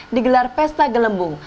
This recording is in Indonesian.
digelar pesta gelembung